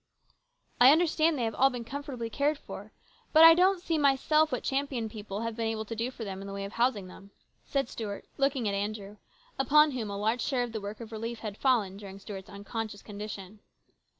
" I understand they have all been comfortably cared for. But I don't see, myself, what Champion people have been able to do for them in the way of housing them," said Stuart, looking at Andrew, upon whom a large share of the work of relief had fallen during Stuart's unconscious condition.